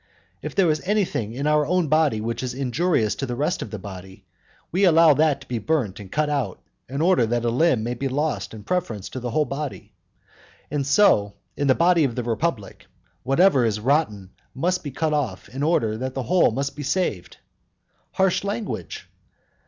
If there is anything in our own body which is injurious to the rest of the body, we allow that to be burnt and cut out, in order that a limb may be lost in preference to the whole body. And so in the body of the republic, whatever is rotten must be cut off in order that the whole may be saved. Harsh language!